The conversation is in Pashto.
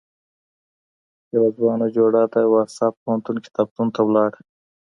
يوه ځوانه جوړه د وارسا پوهنتون کتابتون ته ولاړه.